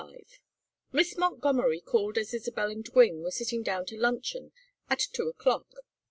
XXXV Miss Montgomery called as Isabel and Gwynne were sitting down to luncheon at two o'clock.